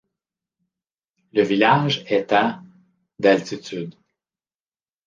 Le village est à d'altitude.